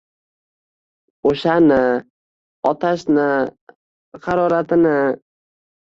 O’shani… otashni… haroratini…